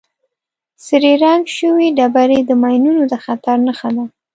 سرې رنګ شوې ډبرې د ماینونو د خطر نښه ده.